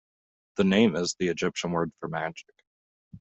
The name is the Egyptian word for "magic".